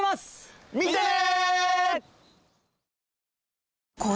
見てね！